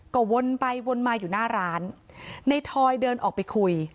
ก็วนไปวนมาอยู่หน้าร้านในทอยเดินออกไปคุย